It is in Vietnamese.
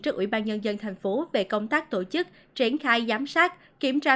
trước ủy ban nhân dân tp về công tác tổ chức triển khai giám sát kiểm tra